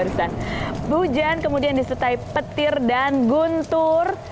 dan hujan kemudian disertai petir dan guntur